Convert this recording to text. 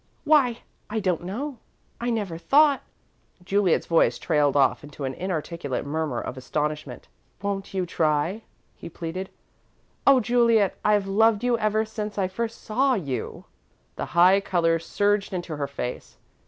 "Why, I don't know I never thought " Juliet's voice trailed off into an inarticulate murmur of astonishment. "Won't you try?" he pleaded. "Oh, Juliet, I've loved you ever since I first saw you!" The high colour surged into her face.